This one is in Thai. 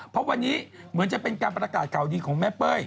เพราะวันนี้เหมือนจะเป็นการประกาศข่าวดีของแม่เป้ย